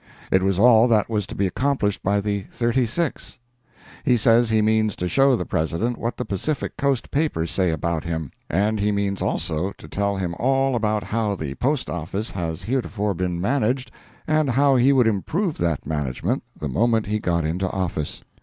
It was all that was to be accomplished by the thirty six. He says he means to show the President what the Pacific coast papers say about him, and he means also to tell him all about how the Post Office has heretofore been managed and how he would improve that management the moment he got into office.